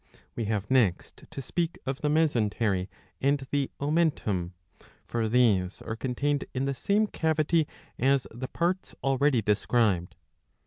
^ We have next to speak of the mesentery and the omentum ; for these are contained in the same cavity»as the parts already described.